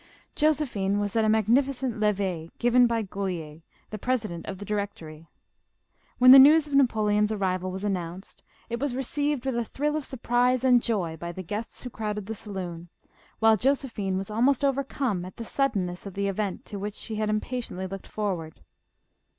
Josephine was at a magnificent leve'e given by Gohier, the President of the Directory. When the news of Napoleon's arrival was announced, it was 're ceived with a thrill of surprise and joy by the guests who crowded the saloon, while Josephine was almost overcome at the suddenness of the event to which she had impatiently looked forward.